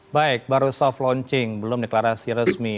baik baru selesai pulang belum deklarasi resmi